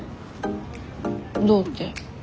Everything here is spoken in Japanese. どうって？